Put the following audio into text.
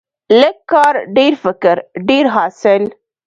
لږ کار، ډیر فکر، ډیر حاصل.